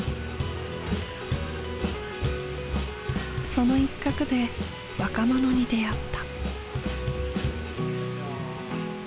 その一角で若者に出会った。